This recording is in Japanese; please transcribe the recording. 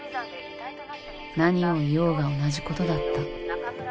何を言おうが同じことだった。